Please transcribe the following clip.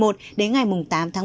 đến ngày tám tháng một mươi hai